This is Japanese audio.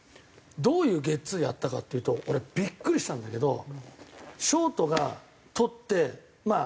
どういうゲッツーやったかっていうと俺ビックリしたんだけどショートが捕ってまあ